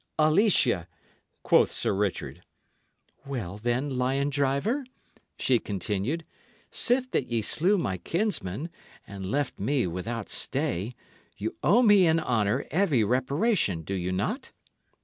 "Alicia," quoth Sir Richard. "Well, then, lion driver," she continued, "sith that ye slew my kinsman, and left me without stay, ye owe me, in honour, every reparation; do ye not?"